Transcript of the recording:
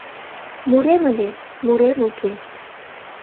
Мурем ыле, мурем уке